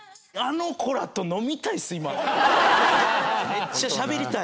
めっちゃしゃべりたい。